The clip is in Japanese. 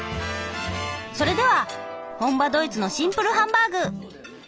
それでは本場ドイツのシンプルハンバーグ。